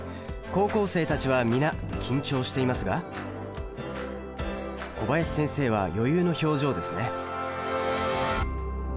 高校生たちは皆緊張していますが小林先生は余裕の表情ですね。